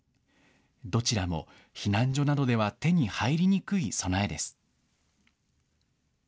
どちらも避難所などでは手に入りにくい備えです。